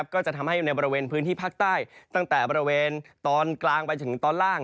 ก็จะทำให้อยู่ในบริเวณพื้นที่ภาคใต้ตั้งแต่บริเวณตอนกลางไปถึงตอนล่าง